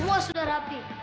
semua sudah rapi